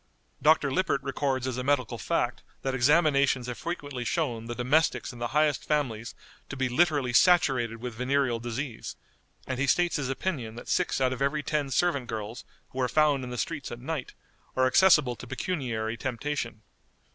Dr. Lippert records as a medical fact that examinations have frequently shown the domestics in the highest families to be literally saturated with venereal disease, and he states his opinion that six out of every ten servant girls who are found in the streets at night are accessible to pecuniary temptation.